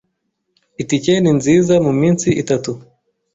Itike ni nziza muminsi itatu.